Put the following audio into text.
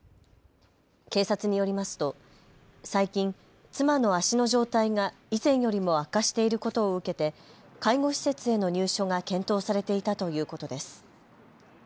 警察によりますと最近、妻の足の状態が以前よりも悪化していることを受けて介護施設への入所が検討されていたということです。